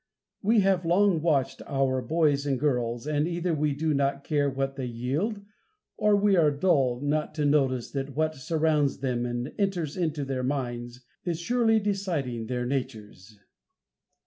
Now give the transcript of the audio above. We have long watched our boys and girls, and either we do not care what they yield, or we are dull not to notice that what surrounds them and enters into their minds, is surely deciding their natures.